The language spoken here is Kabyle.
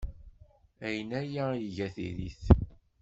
Ayen ay iga diri-t.